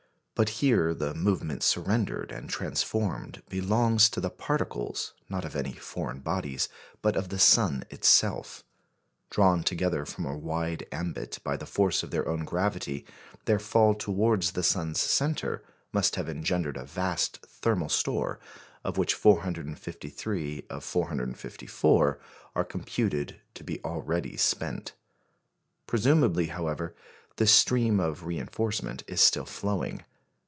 But here the movement surrendered and transformed belongs to the particles, not of any foreign bodies, but of the sun itself. Drawn together from a wide ambit by the force of their own gravity, their fall towards the sun's centre must have engendered a vast thermal store, of which 453/454 are computed to be already spent. Presumably, however, this stream of reinforcement is still flowing.